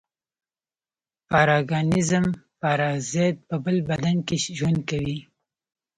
پارګانېزم پارازیت په بل بدن کې ژوند کوي.